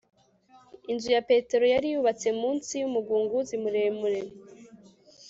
inzu ya petero yari yubatse munsi y'umugunguzi muremure